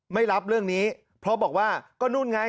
ไม่รับเรื่องนี้เพราะบอกว่าก็นู่นไง